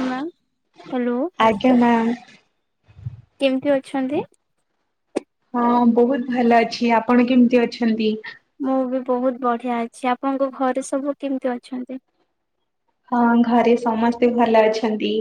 ଅ ma'am. Hello ଆଜ୍ଞା ma'am. କେମିତି ଅଛନ୍ତି? ହଁ ବୋହୁତ ଭଲ ଅଛି ଆପଣ କେମିତି ଅଛନ୍ତି? ମୁଁ ବି ବହୁତ ବଢିଆ ଅଛି ଆପଣଙ୍କ ଘରେ ସବୁ କେମିତି ଅଛନ୍ତି? ହଁ ଘରେ ସମସ୍ତେ ଭଲ ଅଛନ୍ତି।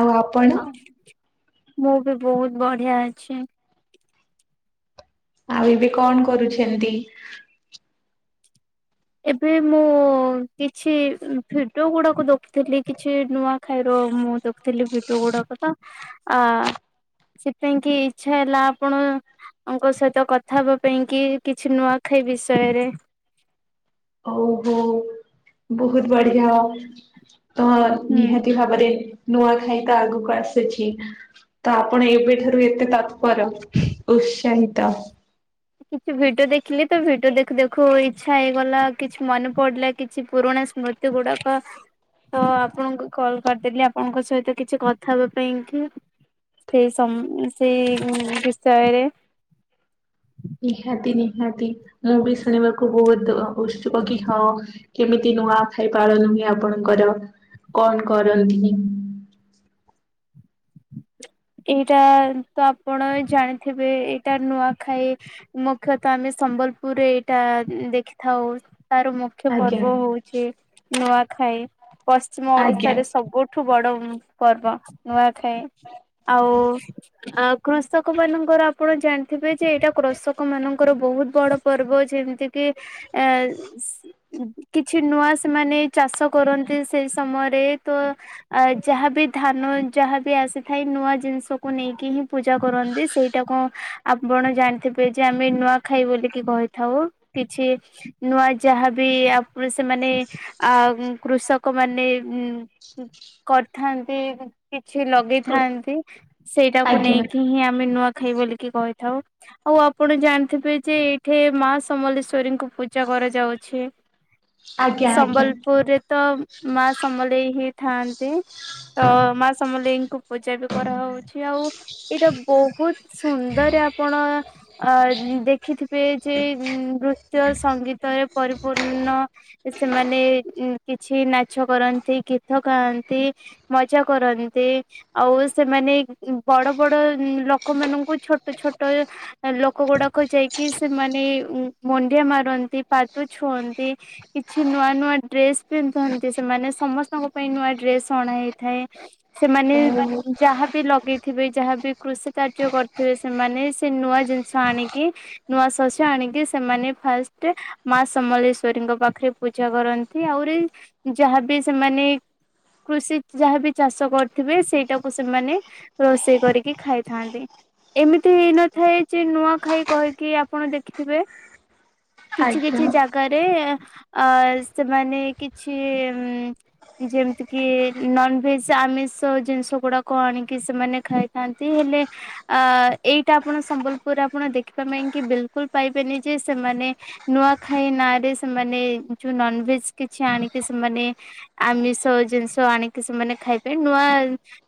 ଆଉ ଆ ମୁଁ ବି ବୋହୁତ ବଢିଆ ଅଛି। ଆଉ ଏବେ କଣ କରୁଚନ୍ତି? ଏବେ ମୁଁ କିଛି ଭିଡିଓ ଗୁଡାକୁ ଦେଖୁଥିଲି କିଛି ନୂଆ ଖାଇର ମୁଁ ଦେ ଥିଲି ଭିଡିଓ ଗୁଡାକ ତ ଆ ସେପାଇଁ କି ଇଚ୍ଛା ହେଲା ଆପଣ ଙ୍କ ସହିତ କଥା ହବା ପାଇଁ କି କିଛି ନୂଆ ଖାଇ ବିଷୟରେ। ଓଉ ହୋ ବହୁତ ବଢିଆ। ତ ହୁଁ। ନିହାତି ଭାବରେ ନୂଆଖାଇ ତ ଆଗକୁ ଆସୁଛି। ତ ଆପଣ ଏବେଠାରୁ ଏତେ ତତ୍ପର ଉତ୍ସାହିତ କିଛି ଭିଡିଓ ଦେଖିଲି ତ ଭିଡିଓ ଦେଖୁ ଦେଖୁ ଇଚ୍ଛା ହେଇଗଲା କିଛି ମନେ ପଡିଲା କିଛି ପୁରୁଣା ସ୍ମୃତି ଏତେ ଗୁଡାକ। ତ ଆପଣଙ୍କୁ କଲ କରିଦେଲି ଆପଣଙ୍କ ସହିତ କିଛି କଥା ହେବା ପାଇଁ କି। ସେଇ ସମ ସେଇ ବିଷୟରେ ନିହାତି ନିହାତି। ମୁଁ ବି ଶୁଣିବାକୁ ବହୁତ ଉତସୋଗୀ ହ। କେମିତି ନୂଆ ଖାଇପାଳନ ହୁଏ ଆପଣଙ୍କର କଣ କରନ୍ତି? ଏଇଟା ତ ଆପଣ ଜାଣିଥିବେ ଏଇଟା ନୂଆଖାଇ ମୁଖ୍ୟତଃ ଆମେ ସମ୍ବଲପୁରରେ ଏଇଟା ଦେଖିଥାଉ ତାର ମୁଖ୍ ମୁଖ୍ୟ ପର୍ବ ଆଜ୍ଞା। ହଉଛି ନୂଆଖାଇ ପଶ୍ଚିମ ଆଜ୍ଞା ଓଡିଶାରେ ସବୁ ଠୁ ବଡ ପର୍ବ ନୂଆଖାଇ। ଓ ଅ ଆ କୃଷକ ମାନଙ୍କର ଆପଣ ଜାଣିଥିବେ ଯେ ଏଇଟା କୃଷକ ମାନଙ୍କର ବହୁତ ବଡ ପର୍ବ ଯେମିତି କିି ଆ ସି କିଛି ନୂଆ ସେମାନେ ଚାଷ କରନ୍ତି ସେଇ ସମୟରେ ତ ଅ ଯାହାବି ଧାନ ଯାହାବି ଆସିଥାଏ ନୂଆ ଜିନିଷକୁ ନେଇକି ହିଁ ପୂଜା କରନ୍ତି ସେଇଟାକୁ ଆପଣ ଜାଣିଥିବେ ଯେ ଆମେ ନୂଆ ଖାଇ ବୋଲିକି କହିଥାଉ କିଛି ନୂଆ ଯାହାବି ଆପ ସେମାନେ ଆ କୃଷକ ମାନେ କରିଥାନ୍ତି କିଛି ଲ ଥାନ୍ତି ସେଇଟାକୁ ଆଜ୍ଞା ନେଇକି ହିଁ ଆମେ ନୂଆ ଖାଇ ବୋଲିକି କହିଥାଉ। ଆଉ ଆପଣ ଜାଣିଥିବେ ଯେ ଏଇଠେ ମା ସମଲେଶ୍ଵରୀଙ୍କୁ ପୂଜା କରାଯାଉଛି। ଆଜ୍ଞା ସମ୍ବଲପୁରରେ ତ ମା ସମଲେଇ ହିଁ ଥାନ୍ତି ତ ମା ସମଲେଇଙ୍କୁ ପୂଜା ବି କରାହଉଛି ଆଉ ଏଇଟା ବହୁତ ସୁନ୍ଦର ଆପଣ ଅ ଦେଖିଥିବେ ଯେ ନୃତ୍ୟ ସଙ୍ଗୀତରେ ପରିପୂର୍ଣ୍ଣ ସେମାନେ କିଛି ନାଚ କରନ୍ତି ଗୀତ ଗାଆନ୍ତି। ମଜା କରନ୍ତି। ଆଉ ସେମାନେ ବଡ ବଡ ଲୋକମାନଙ୍କୁ ଛୋଟ ଛୋଟ ଲୋକ ଗୁଡାକ ଯାଇକି ସେମାନେ ମୁଣ୍ଡିଆ ମାରନ୍ତି ପାଦ ଛୁଅନ୍ତି। କିଛି ନୂଆ ନୂଆ ଡ୍ରେସ ପିନ୍ଧଥାନ୍ତି ସେମାନେ ସମସ୍ତଙ୍କ ପାଇଁ ନୂଆ ଡ୍ରେସ ଅଣା ହେଇଥାଏ। ସେମାନେ ଯାହାବି ଲଗେଇଥିବେ ଯାହାବି କୃଷି କାର୍ଯ୍ୟ କରିଥିବେ ସେମାନେ ସେ ନୂଆ ଜିନିଷ ଆଣିକି ନୂଆ ଶସ୍ୟ ଆଣିକି ସେମାନେ ଫାଷ୍ଟେ ମା ସମଲେଶ୍ଵରୀଙ୍କ ପାଖରେ ପୂଜା କରନ୍ତି ଆହୁରି ଯାହାବି ସେମାନେ କୃଷି ଯାହାବି ଚାଷ କରିଥିବେ ସେଇଟା ତ ସେମାନେ ରୋଷେଇ କରିକି ଖାଇଥାନ୍ତି। ଏମିତି ହେଇନଥାଏ ଯେ ନୂଆ ଖାଇ କହିକି ଆପଣ ଦେଖିଥିବେ କିଛି ଆଜ୍ଞା। କିଛି ଜାଗାରେ ଅ ସେମାନେ କିଛି ଯେମତି କି ନନଭେଜ ଆମିଷ ଜିନିଷ ଗୁଡାକ ଆଣିକି ସେମାନେ ଖାଇଥାନ୍ତି ହେଲେ ଅ ଏଇଟା ଆପଣ ସମ୍ବଲପୁରରେ ଆପଣ ଦେଖିବା ପାଇଁ କି ବିଲକୁଲ ପାଇବେନି ଯେ ସେମାନେ ନୂଆଖାଇ ନାଁରେ ସେମାନେ ଯୋଉ ନନଭେଜ କିଛି ଆଣିକି ସେମାନେ ଆମିଷ ଜିନିଷ ଆଣିକି ସେମାନେ ଖାଇବେ ନୂଆ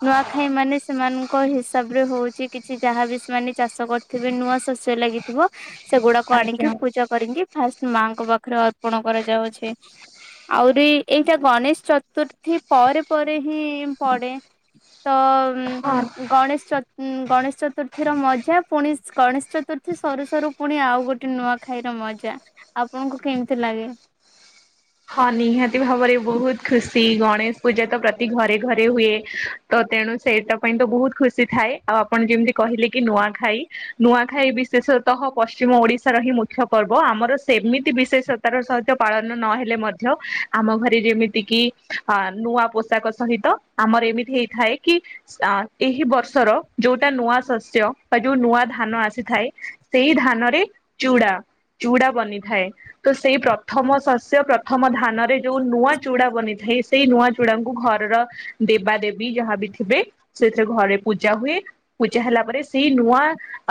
ନୂଆଖାଇ ମାନେ ସେମାନଙ୍କ ହିସାବ ରେ ହଉଚି, କିଛି ଯାହାବି ସେମାନେ ଚାଷ କ ଥିବେ, ନୂଆ ଶସ୍ୟ ଲାଗିଥିବ, ସେଗୁଡାକ ଆଣିକି ଆଜ୍ଞା ପୂଜା କରିକି, ଫାଷ୍ଟ ମାଙ୍କ ପାଖରେ ଅର୍ପଣ କରାଯାଉଚି। ଆହୁରି ଏଇଟା ଗଣେଶ ଚତୁର୍ଥୀ ପରେ ପରେ ହିଁ ପଡେ। ତ ହଁ। ଗଣେଶ ଚ, ଗଣେଶ ଚତୁର୍ଥୀର ମଜା, ପୁଣି ଗଣେଶ ଚତୁର୍ଥୀ ସରୁ ସରୁ ପୁଣି ଆଉ ଗୋଟେ ନୂଆ ଖାଇର ମଜା, ଆପଣଙ୍କୁ କେମିତି ଲାଗେ? ହଁ, ନିହାତି ଭାବରେ ବହୁତ ଖୁସି, ଗଣେଶ ପୂଜା ତ ପ୍ରତି ଘରେ ଘରେ ହୁଏ। ତ ତେଣୁ ସେଇଟା ପାଇଁ ତ ବହୁତ ଖୁସି ଥାଏ, ଆଉ ଆପଣ ଯେମିତି କହିଲେ କି ନୂଆ ଖାଇ ନୂଆଖାଇ ବିଶେଷତଃ ପଶ୍ଚିମ ଓଡିଶାର ହିଁ ମୁଖ୍ୟ ପର୍ବ, ଆମର ସେମିତି ବିଶେଷ ତାର ସହଜ ପାଳନ ନ ହେ ଲେ ମଧ୍ୟ, ଆମ ଘରେ ଯେମିତି କିି, ଅ ନୂଆ ପୋଷାକ ସହିତ ଆମର ଏମିତି ହେଇଥାଏ କି ଅ, ଏହି ବର୍ଷର, ଯୋଉଟା ନୂଆ ଶସ୍ୟ, ବା ଯୋଉ ନୂଆ ଧାନ ଆସିଥାଏ ସେଇ ଧାନରେ ଚୁଡ଼ା, ଚୁଡା ବନିଥାଏ, ତ ସେଇ ପ୍ରଥମ ଶସ୍ୟ ପ ପ୍ରଥମ ଧାନରେ ଯୋଉ ନୂଆ ଚୁଡା ବନିଥାଏ, ସେଇ ନୂଆ ଚୁଡାଙ୍କୁ ଘରର ଦେବା ଦେବୀ ଯାହାବି ଥିବେ, ସେଥିରେ ଘରେ ପୂଜା ହୁଏ। ପୂଜା ହେଲା ପରେ, ସେଇ ନୂଆ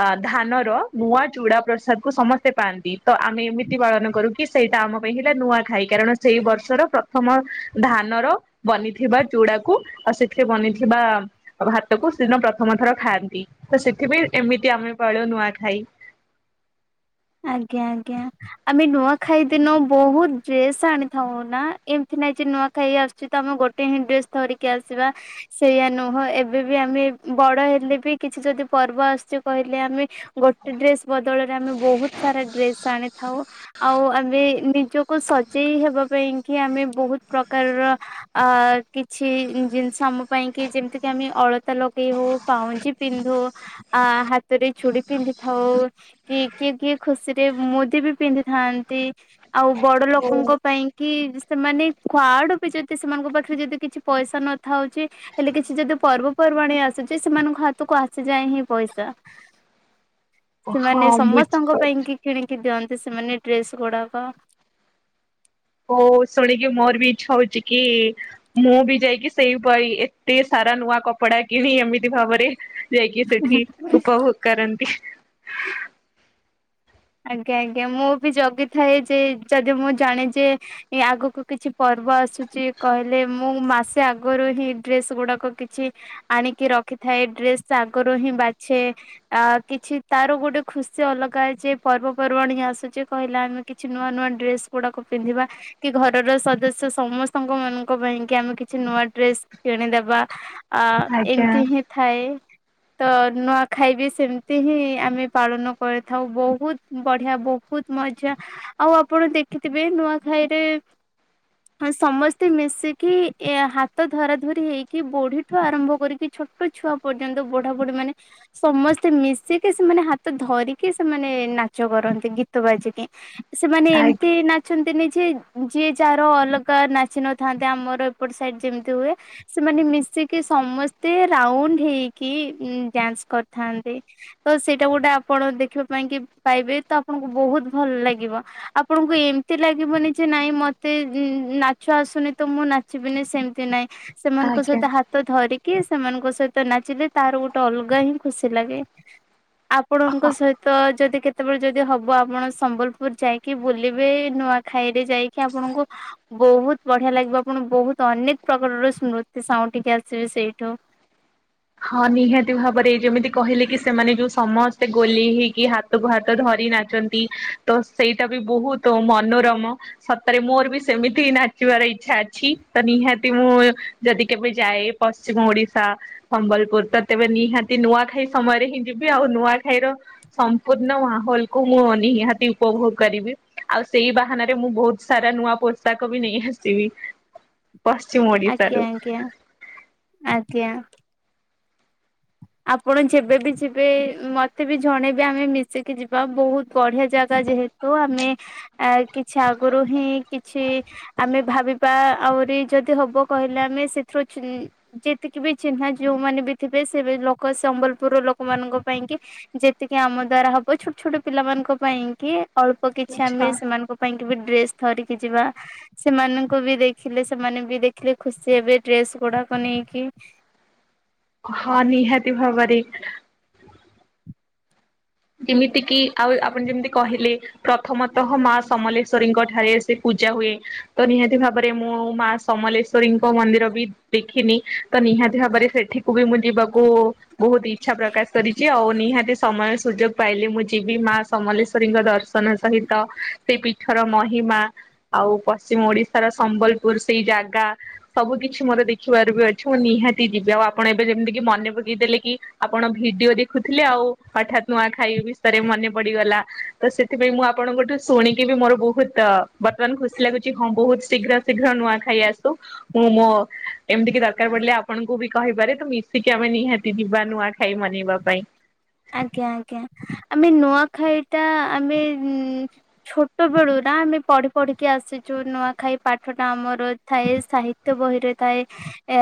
ଅ ଧାନର, ନୂଆ ଚୁଡା ପ୍ରସାଦ କୁ ସମସ୍ତେ ପାଆନ୍ତି, ତ ଆମେ ଏମିତି ପାଳନ କରୁ କି, ସେଇଟା ଆମ ପାଇଁ ହେଲେ ନୂଆ ଖାଇ, କାରଣ ସେଇ ବର୍ଷର ପ୍ରଥମ ଧାନର ବନିଥିବା ଚୁଡାକୁ, ଆଉ ସେଥିରେ ବନିଥିବା ଆଉ ଭାତକୁ ସେଦିନ ପ୍ରଥମ ଥର ଖାଆନ୍ତି, ତ ସେଥିପାଇଁ ଏମିତି ଆମେ ପାଳୁ ନୂଆ ଖାଇ। ଆଜ୍ଞା ଆଜ୍ଞା। ଆମେ ନୂଆଖାଇ ଦିନ ବହୁତ ଡ୍ରେସ୍ ଆଣିଥାଉ ନା, ଏମିତି ନାଇଁ ଯେ ନୂଆ ଖାଇ ଆସୁଚି ତ, ଆମେ ଗୋଟେ ହିଁ ଡ୍ରେସ ଧରିକି ଆସିବା। ସେଇଆ ନୁହଁ, ଏବେ ବି ଆମେ ବଡ ହେଲେ ବି କିଛି ଯଦି ପର୍ବ ଆସୁଚି କହିଲେ ଆମେ, ଗୋଟେ ଡ୍ରେସ ବଦଳରେ ଆମେ ବହୁତ ସାରା ଡ୍ରେସ ଆଣିଥାଉ। ଆଉ ଆମେ ନିଜକୁ ସଜେଇ ହେବା ପାଇଁ କି, ଆମେ ବହୁତ ପ୍ରକାରର ଅ, କିଛି ଜିନିଷ ଆମ ପାଇଁ କି, ଯେମିତି କି, ଆମେ ଅଳତା ଲଗେଇ ହଉ ପାଉଁଜି ପିନ୍ଧୁ, ଆ ହାତରେ ଚୁଡି ପିନ୍ଧି ଥାଉ, କିଏ କିଏ କିଏ ଖୁସିରେ ମୁଦି ବି ପିନ୍ଧିଥାନ୍ତି, ଆଉ ବଡ ଲୋକଙ୍କ ପାଇଁ କି ସେମାନେ କୁଆଡୁ ବି, ଯଦି ସେମାନଙ୍କ ପାଖରେ ଯଦି କିଛି ପଇସା ନଥାଉଚି ହେଲେ କିଛି ଯଦି ପର୍ବପର୍ବାଣୀ ଆସୁଚି, ସେମାନଙ୍କ ହାତକୁ ଆସିଯାଏ ହିଁ ପଇସା। ଓ ସେମାନେ ହଁ ସମସ୍ତଙ୍କ ବୁଝିପାରୁ ପାଇଁ କି କିଣିକି ଦିଅନ୍ତି, ସେମାନେ ଡ୍ରେସ ଗୁଡାକ। ହଉ ଶୁଣିକି, ମୋର ବି ଇଛା ହଉଛି କି ମୁଁ ବି ଯାଇକି ସେଇପାଇ, ଏତେ ସାରା ନୂଆ କପଡ଼ା କିଣି, ଏମିତି ଭାବରେ ଯାଇକି ସେଠି ଉପଭୋଗ୍ କରନ୍ତି। ଆଜ୍ଞା ଆଜ୍ଞା, ମୁଁ ବି ଜଗିଥାଏ ଯେ, ଯଦି ମୁଁ ଜାଣେ ଯେ ଇଁ, ଆଗକୁ କିଛି ପର୍ବ ଆସୁଚି କହିଲେ, ମୁଁ ମାସେ ଆଗରୁ ହିଁ ଡ୍ରେସ୍ ଗୁଡ଼ାକ କିଛି ଆଣିକି ରଖିଥାଏ, ଡ୍ରେସ୍ ତ ଆଗରୁ ହିଁ ବାଛେ ଆ କିଛି, ତାର ଗୋଡ଼େ ଖୁସି ଅଲଗା ଯେ ପର୍ବପର୍ବଣି ଆସୁଚି କହିଲା, ଆମେ କିଛି ନୂଆ ନୂଆ ଡ୍ରେସ୍ ଗୁଡ଼ାକ ପିନ୍ଧିବା। କି ଘରର ସଦସ୍ୟ ସମସ୍ତଙ୍କ ମାନଙ୍କ ପାଇଁ କି, ଆମେ କିଛି ନୂଆ ଡ୍ରେସ୍ କିଣିଦେବା ଆ, ଆଜ୍ଞା ଇମିତି ହିଁ ଥାଏ ତ ନୁଆଁଖାଇ ବି ସେମ୍ତି ହିଁ ଆମେ ପାଳନ କରିଥାଉ ବହୁତ୍ ବଢି଼ଆ ବହୁତ୍ ମଜା ଆଉ ଆପଣ ଦେଖିତିବେ ନୂଆଁଖାଇରେ [inaudible] ହଁ ସମସ୍ତେ ମିଶିକି ଏ ହାତ ଧରାଧରି ହେଇକି ବୋଢ଼ିଠୁ ଆରମ୍ଭ କରିକି ଛୋଟ ଛୁଆ ପର୍ଯ୍ୟନ୍ତ ବୋଢ଼ା ବୋଢ଼ି ମାନେ ସମସ୍ତେ ମିଶିକି ସେମାନେ ହାତ ଧରିକି ସେମାନେ ନା ଚ କରନ୍ତି ଗୀତ ବାଜିକି ସେମାନେ ଆଜ୍ଞା ଏମତି ନାଚ୍ ଚନ୍ତିନି ଯେ ଯିଏ ଯାର ଅଲ୍ଗା ନାଚି ନଥାନ୍ତେ ଆମର ଏପଟ ସାଇଡ ଯେମ୍ତି ହୁଏ। ସେମାନେ ମିଶିକି ସମସ୍ତେ ରାଉଣ୍ଡ୍ ହେଇକି ଉଁ ଡ୍ୟାନ୍ସ୍ କର୍ଥାନ୍ତି। ତ ସେଇଟା ଗୋଟେ ଆପଣ ଦେଖିବା ପାଇଁ କି ପାଇବେ ତ ଆପଣଙ୍କୁ ବହୁତ୍ ଭଲ୍ ଲାଗିବ। ଆପଣଙ୍କୁ ଏମ୍ତି ଲାଗିବନି ଯେ ନାଇଁ ମତେ ଇଁ ନାଚ ଆସୁନି ତ ମୁଁ ନା ଚିବିିନି ସେମ୍ତି ନାଇଁ ସେମାନଙ୍କ ଆଜ୍ଞା। ସହିତ ହାତ୍ ତ ଧରିକି ସେମାନଙ୍କ ସଇତ ନାଚିଲେ ତାର ଗୁଟେ ଅଲ୍ଗା ହିଁ ଖୁସି ଲାଗେ। ଆପଣଙ୍କ ସଇତ ଯଦି କେ ତେବେଳେ ଯଦି ହବ ଆପଣ ସମ୍ବଲପୁର୍ ଯାଇକି ବୁଲିବେ ନୂଆଁଖାଇରେ ଯାଇକି ଆପଣଙ୍କୁ ବହୁତ୍ ବଢି଼ଆ ଲାଗିବ ଆପଣ ବହୁତ୍ ଅନେକ୍ ପ୍ରକରର ସ୍ମୃତି ସାଉଁଟିକି ଆସିବେ ସେଇଠୁ। ହଁ ନିହାତି ଭାବରେ ଏ ଯୋମିତି କହିଲେ କି ସେମାନେ ଯୋଉ ସମସ୍ତେ ଗୋଲେଇ ହେଇକି ହାତ ତକୁୁ ହାତ ଧରି ନାଚନ୍ତି ତ ସେଇଟା ବି ବୋହୁତ ମନୋରମ ସତରେ ମୋର୍ ବି ସେମିତି ନାଚିବାର ଇଚ୍ଛା ଏଛି ତ ନିହାତି ମୁଁ ଯଦି କେବେ ଯାଏ ପଶ୍ଚିମ୍ ଓଡି଼ଶା। ଥମ୍ବଲପୁର୍ ତ ତେବେ ନିହାତି ନୁଆଁଖେଇ ସମୟରେ ହିଁ ଯିବି ଆଉ ନୂଆଖାଇ ର ସମ୍ପୂର୍ଣ୍ଣ ମାହୋଲ କୁ ମୁଁ ନିହାତି ଉପଭୋଗ୍ କରିବି ଆଉ ସେଇ ବାହାନାରେ ମୁଁ ବହୁତ୍ ସାରା ନୂଆ ପୋଷାକ ବି ନେଇ ଅସି ବି। [inaudible] ପଶ୍ଚିମ୍ ଓ ଆଙ୍କ୍ୟା ଆଙ୍କ୍ୟା ଆଜ୍ଞା। ଆପଣ ଯେବେବି ଯିବେ ମତେ ବି ଜଣେବେ ଆମେ ମିଶିକି ଯିବା ବହୁତ୍ ବଢି଼ଆ ଜାଗା ଯେହେ ତୁ ଆମେ ଆ କିଛି ଆଗୋରୁ ହିଁ କିଛି ଆମେ ଭାବିପା ଆଉରି ଯଦି ହବ କଇଲେ ଆମେ ସେଥିରୁ ଚିଲ୍ ଯେତିକି ବି ଚିହ୍ନା ଯୋଉ ମାନେ ବି ଥିବେ ସେ ବେ ଲୋକ ସମ୍ବଲପୁର ଲୋକମାନଙ୍କ ପାଇଁ କି ଯେତିକି ଆମ ଦ୍ଵାରା ହବ ଛୋଟ୍ ଛୋଟ୍ ପିଲାମାନ୍ କ ପାଇଁ କି ଅଳ୍ପ କିଛି ଆଚ୍ଛା। ଆମେ ସେମାନଙ୍କୁ ପାଇଁ କି ବି ଡ୍ରେସ୍ ଥରିକି ଯିବା। ସେମାନଙ୍କୁ ବି ଦେଖିଲେ ସେମାନେ ବି ଦେଖିଲେ ଖୁସି ହେବେ ଡ୍ରେସ୍ ଗୁଡ଼ାକ ନେଇକି। ହ ନିହାତି ଭାବରେ। କିମିତି କିି ଆଉ ଆପଣ୍ ଯେମିତି କହିଲେ। ପ୍ରଥମତଃ ମାଁ ସମଲେଶ୍ଵରୀଙ୍କ ଠାରେ ସେ ପୂଜା ହୁଏ ତ ନିହାତି ଭାବରେ ମୁଁ ମାଁ ସମଲେଶ୍ଵରୀଙ୍କ ମନ୍ଦିର ବି ଦେଖିନି ତ ନିହାତି ହାବରେ ସେଠିକୁ ବି ମୁଁ ଯିବାକୁ ବହୁତ୍ ଇଚ୍ଛା ପ୍ରକାଶ୍ କରିଚି ଆଉ ନିହାତି ସମୟସ୍ ସୁଯୋଗ୍ ପାଇଲେ ମୁଁ ଯିବି ମା ସମଲେଶ୍ଵରୀଙ୍କ ଦର୍ଶନ ସହିତ ସେ ପୀଠର ମହିମା ଆଉ ପଶ୍ଚିମ୍ ଓଡି଼ଶାର ସମ୍ବଲ୍ପୁର୍ ସେଇ ଜାଗା। ସବୁ କିଛି ମୋର ଦେଖିବାର୍ ବି ଅଛି ମୁଁ ନିହାତି ଯିବି ଆଉ ଆପଣ ଏବେ ଯେମ୍ତିକି ମନେ ପକେଇଦେଲେ କି? ଆପଣ ଭିଡିଓ ଦେଖୁଥିଲେ ଆଉ ହଠାତ୍ ନୂଆ ଖାଇ ବିଷୟରେ ମନେ ପଡିଗଲା ତ ସେଥିପାଇଁ ମୁଁ ଆପଣଙ୍କଠୁ ଶୁଣିକି ବି ମୋର ବହୁତ ବର୍ତ୍ତମାନ ଖୁସି ଲାଗୁଛି ହଁ ବହୁତ ଶୀଘ୍ର ଶୀଘ୍ର ନୂଆ ଖାଇ ଆସୁ। ମୁଁ ମୋ ଏମିତି କି ଦରକାର ପଡିଲେ ଆପଣଙ୍କୁ ବି କହିପାରେ ତ ମିଶିକି ଆମେ ନିହାତି ଯିବା ନୁଆ ଖାଇ ମନେଇିବା ପାଇଁ। ଆଜ୍ଞା ଆଜ୍ଞା ଆମେ ନୂଆଖାଇଟା ଆମେ ଛୋଟ ବେଳୁ ନା ଆମେ ପଢି ପଢିକି ଆସିଛୁ ନୂଆଖାଇ ପାଠ ଟା ଆମର ଥାଏ ସାହିତ୍ ସାହିତ୍ୟ ବହିରେ ଥାଏ ଏ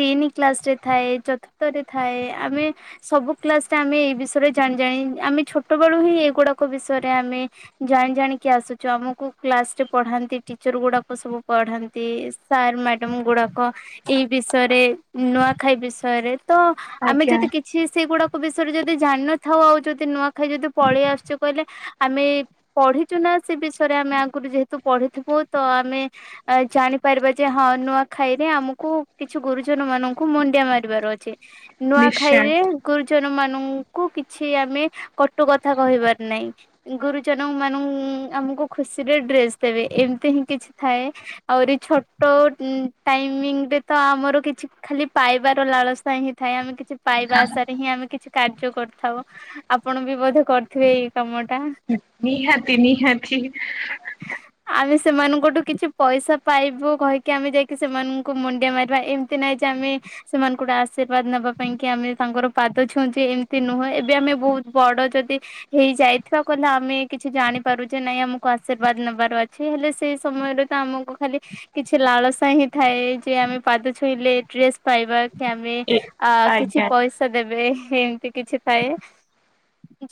ତିନି କ୍ଲାସ ରେ ଥାଏ ଚତୁର୍ଥରେ ଥାଏ ଆମେ ସବୁ କ୍ଲାସଟା ଆମେ ଏଇ ବିଷୟରେ ଜାଣି ଜାଣି ଆମେ ଛୋଟ ବେଳୁ ହିଁ ଏଇଗୁଡାକ ବିଷୟରେ ଆମେ ଜାଣି ଜାଣିିକି ଆସୁଛୁ ଆମକୁ କ୍ଲାସ ରେ ପଢାନ୍ତି ଟିଚର ଗୁଡାକ ସବୁ ପଢାନ୍ତି ସାର୍ ମ୍ୟାଡାମ ଗୁଡାକ ଏଇ ବିଷୟରେ ନୂଆଖାଇ ବିଷୟରେ ତ ଆମେ ଆଜ୍ଞା ଯଦି କିଛି ସେଇଗୁଡା ବିଷୟରେ ଯଦି ଜାଣିନଥାଉ ଆଉ ଯଦି ନୂଆ ଖାଇ ଯଦି ପଳେଇ ଆସୁଛେ କହିଲେ ଆମେ ପଢିଛୁ ନା ସେ ବିଷୟରେ ଆମେ ଆଗରୁ ଯେହେତୁ ପଢିଥିବୁ ତ ଆମେ ଜାଣିପାରିବା ଯେ ହଁ ନୂଆ ଖାଇରେ ଆମକୁ କିଛି ଗୁରୁଜନ ମାନଙ୍କୁ ମୁଣ୍ଡିଆ ମାରିବାର ଅଛି। ନିଶ୍ଚୟ। ନୂଆଖାଇରେ ଗୁରୁ ଜନ୍ ମାନଙ୍କୁ କିଛି ଆମେ କଟୁ କଥା କହିବାର ନାହିଁ। ଗୁରୁଜନ ମାନ ଆମକୁ ଖୁସିରେ ଡ୍ରେସ ଦେବେ ଏମିତି ହିଁ କିଛି ଥାଏ। ଆହୁରି ଛୋଟ ଟାଇମିଂ ରେ ତ ଆମର କିଛି ଖାଲି ପାଇବାର ଲାଳସ ହିଁ ଥାଏ ଆମେ କିଛି ପାଇବା ଆଶାରେ ହିଁ ଆମେ କିଛି କାର୍ଯ୍ୟ କରିଥାଉ ଆପଣ ବି ବୋଧେ କରିଥିବେ ଏଇ କାମଟା। ନିହାତି ନିହାତି। ହ [unintelligible] ଆମେ ସେମାନଙ୍କଠୁ କିଛି ପଇସା ପାଇବୁ କହିକି ଆମେ ଯାଇକି ସେମାନଙ୍କୁ ମୁଣ୍ଡିଆ ମାରିବା ଏମିତ୍ ଏମିତି ନାଇଁ ଯେ ଆମେ ସେମାନଙ୍କୁ ଗୋଟେ ଆଶୀର୍ବାଦ ନେବା ପାଇଁ କି ଆମେ ତାଙ୍କର ପାଦ ଛୁଉଁଛି ଏମିତି ନୁହେଁ ଏବେ ଆମେ ବହୁତ ବଡ ଯଦି ହେଇ ଯାଇଥିବା କଲେ ଆମେ କିଛି ଜାଣିପାରୁଛେ ନାଇଁ ଆମକୁ ଆଶୀର୍ବାଦ ନେବାର ଅଛି ହେଲେ ସେଇ ସମୟରେ ତ ଆମକୁ ଖାଲି କିଛି ଲାଳସା ହିଁ ଥାଏ ଯେ ଆମେ ପାଦ ଛୁଇଁଲେ ଡ୍ରେସ୍ ପାଇବା କି ଆମେ ଏ ଆ କିଛି ଆଜ୍ଞା ପଇସା ଦେବେ ଏମିତି କିଛି ଥାଏ।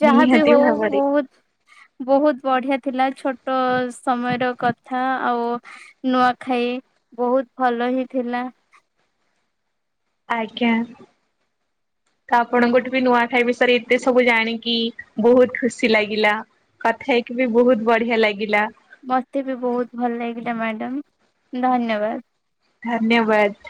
ଯାହା ବି ନିହାତି ହଉ ଭାବରେ। ବହୁତ ବହୁତ ବଢିଆ ଥିଲା ଛୋଟ ସମୟର କଥା ଆଉ ନୂଆଖାଇ ବହୁତ ଭଲ ହିଁ ଥିଲା। ଆଜ୍ଞା ତ ଆପଣଙ୍କଠୁ ବି ନୂଆ ଖାଇ ବିଷୟରେ ଏତେ ସବୁ ଜାଣିକି ବହୁତ ଖୁସି ଲାଗିଲା କଥା ହେଇକି ବି ବହୁତ ବଢିଆ ଲାଗିଲା। ମତେ ବି ବହୁତ ଭଲ ଲାଗିଲା ମ୍ୟାଡାମ ଧନ୍ୟବାଦ। ଧନ୍ୟବାଦ।